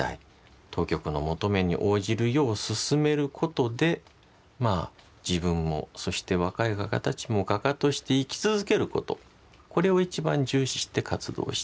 当局の求めに応じるよう勧めることでまあ自分もそして若い画家たちも画家として生き続けることこれを一番重視して活動した。